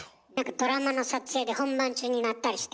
ドラマの撮影で本番中に鳴ったりして。